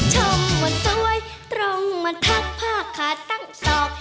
ชมว่าสวยตรงมาทักผ้าขาดตั้งศอก